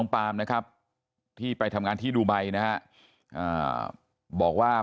ปามนะครับที่ไปทำงานที่ดูไบนะฮะบอกว่า